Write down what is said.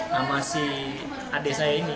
nama si adik saya ini